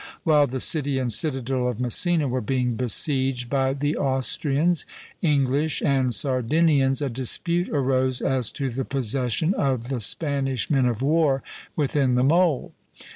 While the city and citadel of Messina were being besieged by the Austrians, English, and Sardinians, a dispute arose as to the possession of the Spanish men of war within the mole.